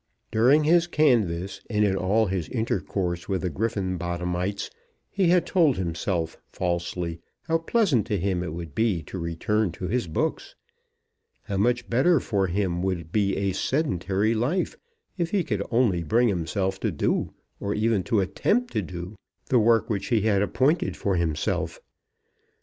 During his canvass, and in all his intercourse with the Griffenbottomites, he had told himself, falsely, how pleasant to him it would be to return to his books; how much better for him would be a sedentary life, if he could only bring himself to do, or even attempt to do, the work which he had appointed for himself.